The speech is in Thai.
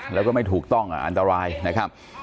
แล้วก็ไม่ถูกต้องอันตรายนะครับ